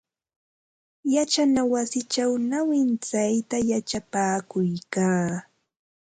Yachana wasichaw nawintsayta yachapakuykaa.